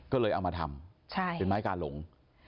ก็เลยเอามาทำเป็นไม้กาหลง